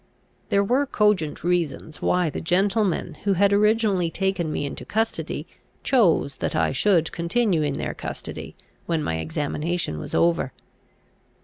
There were cogent reasons why the gentlemen who had originally taken me into custody, chose that I should continue in their custody when my examination was over.